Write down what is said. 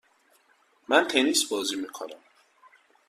من تنیس بازی میکنم.